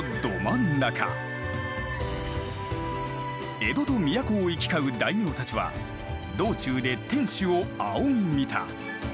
江戸と都を行き交う大名たちは道中で天守を仰ぎ見た。